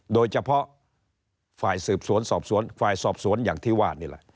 โดยเฉพาะฝ่ายสืบสวนสอบสวนฝ่ายสอบสวนอย่างที่ว่านี่แหละ